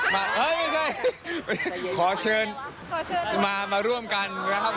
ไม่ใช่ขอเชิญมาร่วมกัน